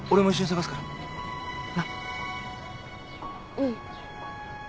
うん。